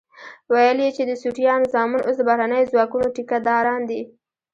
ويل يې چې د سوټيانو زامن اوس د بهرنيو ځواکونو ټيکه داران دي.